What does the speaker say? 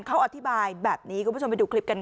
เขาอธิบายแบบนี้คุณผู้ชมไปดูคลิปกันค่ะ